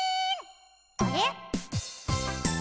あれ？